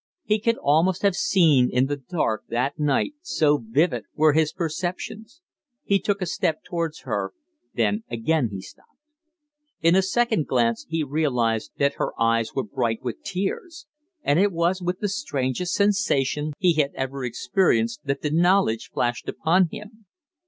He could almost have seen in the dark that night, so vivid were his perceptions. He took a step towards her, then again he stopped. In a second glance he realized that her eyes were bright with tears; and it was with the strangest sensation he had ever experienced that the knowledge flashed upon him.